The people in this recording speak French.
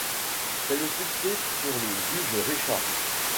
C’est le succès pour le juge Richard.